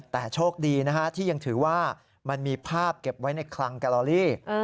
แต่โชคดีนะฮะที่ยังถือว่ามันมีภาพเก็บไว้ในคลังกาลอรี่